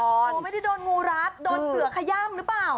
หนูไม่ได้โดนงูรัดโดนเสือขย่ำหรือเปล่า